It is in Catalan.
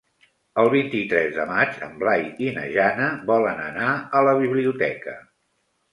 El vint-i-tres de maig en Blai i na Jana volen anar a la biblioteca.